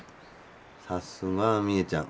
さすが美恵ちゃん。